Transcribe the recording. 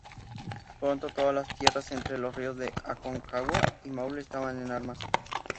Pronto todas las tierras entre los ríos Aconcagua y Maule estaban en armas.